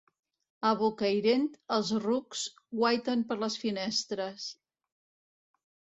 A Bocairent, els rucs guaiten per les finestres.